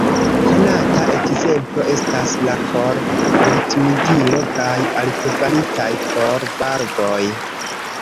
Konata ekzemplo estas la kor-ritmigilo kaj artefaritaj kor-valvoj.